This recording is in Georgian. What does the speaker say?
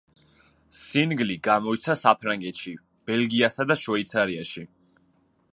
სინგლი გამოიცა საფრანგეთში, ბელგიასა და შვეიცარიაში.